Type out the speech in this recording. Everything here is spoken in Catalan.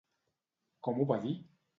Com ho va dir?